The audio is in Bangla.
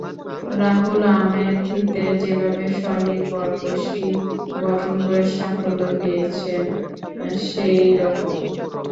রাহুল আমেথিতে যেভাবে স্বনির্ভর গোষ্ঠী গঠন করে সাফল্য পেয়েছেন, সেই রকম।